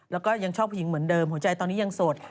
แล้วก็ยังชอบผู้หญิงเหมือนเดิมหัวใจตอนนี้ยังโสด